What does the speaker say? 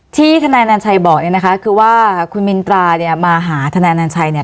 ที่ทนายนัชชัยบอกนี้นะคะคือว่าคุณมินตรามาหาทนายนัชชัย